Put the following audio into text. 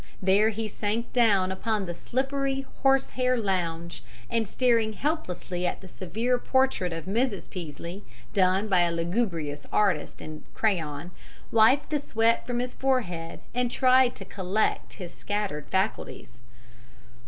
There he sank down upon the slippery horsehair lounge, and, staring helplessly at the severe portrait of Mrs. Peaslee, done by a lugubrious artist in crayon, wiped the sweat from his forehead and tried to collect his scattered faculties.